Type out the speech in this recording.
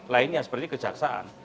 lainnya seperti kejaksaan